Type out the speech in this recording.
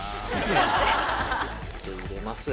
「で入れます」